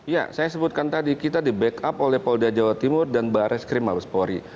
ya saya sebutkan tadi kita di back up oleh polda jawa timur dan baris krim habis polri